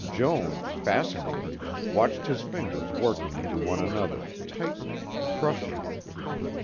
Joan, fascinated, watched his fingers working into one another, tightening, crushing.